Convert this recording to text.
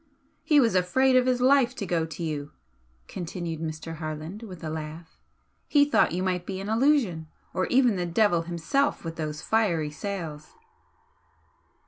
"He was afraid of his life to go to you" continued Mr. Harland, with a laugh "He thought you might be an illusion or even the devil himself, with those fiery sails!"